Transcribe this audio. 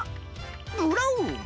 ブラウン⁉